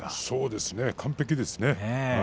そうですね、完璧ですね。